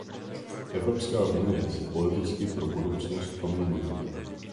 Evropská unie se politicky pro budoucnost proměňuje.